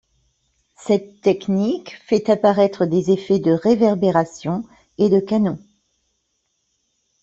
Cette technique fait apparaître des effets de réverbération et de canon.